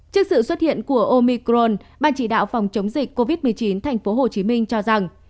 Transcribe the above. trước sự xuất hiện của omicron ban chỉ đạo phòng chống dịch covid một mươi chín tp hcm cho rằng